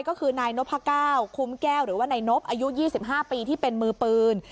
ก็คือนายนพก้าวคุ้มแก้วหรือว่านายนบอายุ๒๕ปีที่เป็นมือปืน